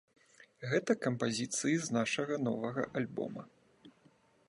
Гэта кампазіцыі з нашага новага альбома.